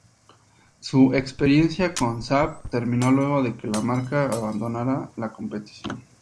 Su experiencia con Saab terminó luego de que la marca abandonara la competición.